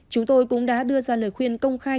chúng tôi cũng đã đưa ra lời khuyên công khai